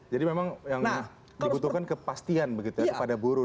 jadi memang yang dibutuhkan kepastian begitu ya kepada buruh